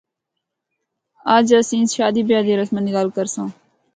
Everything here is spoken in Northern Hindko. اج اسیں شادی بیاہ دی رسماں دی گل کرساں۔